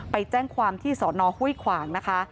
ไปแจ้งความที่สอนอห้วยขวางนะคะ